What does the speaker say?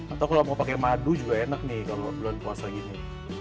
atau kalau mau pakai madu juga enak nih kalau bulan puasa gini